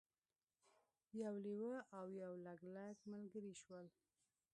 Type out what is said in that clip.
یو لیوه او یو لګلګ ملګري شول.